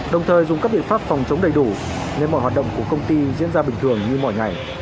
đồng thời dùng các biện pháp phòng chống đầy đủ nên mọi hoạt động của công ty diễn ra bình thường như mọi ngày